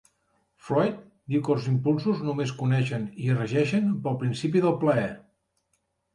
Freud diu que els impulsos només coneixen i es regeixen pel principi del plaer.